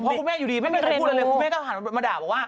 เพราะก็คุณแม่อยู่ดีพี่มีไม่ได้พูดอะไรเค้าถ่ามาด่าบอกว่า